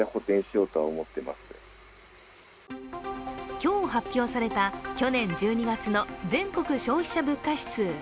今日発表された去年１２月の全国消費者物価指数。